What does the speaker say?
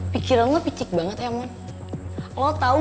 pikiran anda sangat menarik ya man